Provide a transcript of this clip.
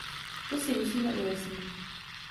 To si musíme ujasnit.